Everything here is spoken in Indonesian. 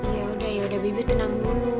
yaudah yaudah bibi tenang dulu